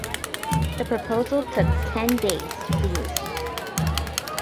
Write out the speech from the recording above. The proposal took ten days to produce.